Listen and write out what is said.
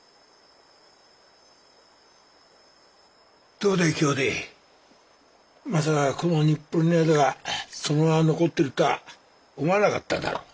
・どうだい兄弟まさかこの日暮里の宿がそのまま残ってるとは思わなかっただろう。